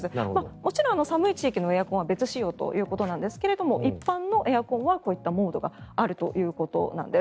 もちろん寒い地域のエアコンは別使用なんですが一般のエアコンはこういったモードがあるということなんです。